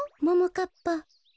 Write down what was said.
ももかっぱ。